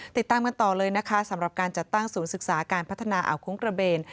ติดตามกันต่อเลยนะคะสำหรับการจัดตั้งศูนย์ศึกษาการพัฒนาอ่าวคุ้งกระเบน